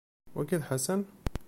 Wagi d Ḥasan?